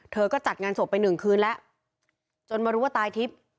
ก็จัดงานศพไปหนึ่งคืนแล้วจนมารู้ว่าตายทิพย์